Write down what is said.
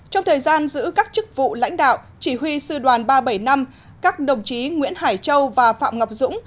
trong thời gian giữ các chức vụ lãnh đạo chỉ huy sư đoàn ba trăm bảy mươi năm các đồng chí nguyễn hải châu và phạm ngọc dũng